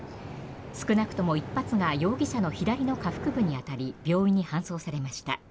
少なくとも１発が容疑者の左の下腹部に当たり病院に搬送されました。